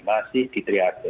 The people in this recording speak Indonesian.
masih di triage